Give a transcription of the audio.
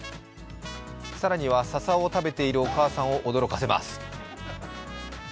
更には笹を食べているお母さんを驚かせます。